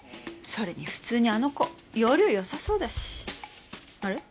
それに普通にあの子要領よさそうだしあれ？